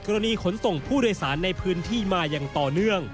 ขนส่งผู้โดยสารในพื้นที่มาอย่างต่อเนื่อง